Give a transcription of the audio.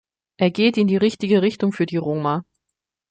Er geht in die richtige Richtung für die Roma.